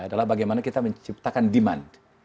adalah bagaimana kita menciptakan demand